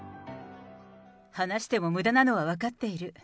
話してもむだなのは分かっている。